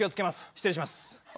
失礼します。